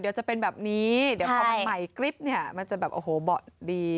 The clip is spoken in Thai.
เดี๋ยวจะเป็นแบบนี้เดี๋ยวพอมันใหม่กริ๊บเนี่ยมันจะแบบโอ้โหเบาะดี